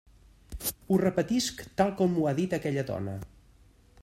Ho repetisc tal com m'ho ha dit aquella dona.